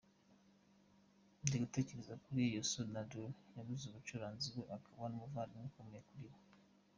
Ndigutekereza kuri Youssou N'dour, yabuze umucuranzi we akaba n’umuvandimwe ukomeye kuri we.